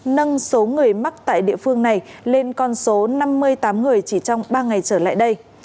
nâng số người mắc tại địa phương này lên con số năm mươi tám người chỉ trong ba ngày trở lại đây